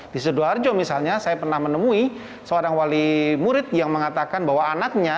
di sidoarjo misalnya saya pernah menemui seorang wali murid yang mengatakan bahwa anaknya